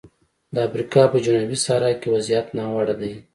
د افریقا په جنوبي صحرا کې وضعیت ناوړه دی.